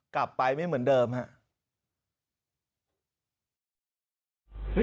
กลับไปไม่เหมือนเดิมครับ